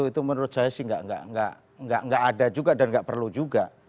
itu menurut saya sih nggak ada juga dan nggak perlu juga